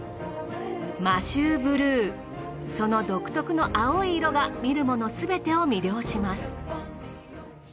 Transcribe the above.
摩周ブルーその独特の青い色が見る者すべてを魅了します。